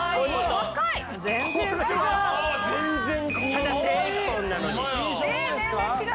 ただ線１本なのに。